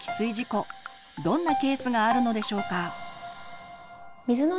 どんなケースがあるのでしょうか？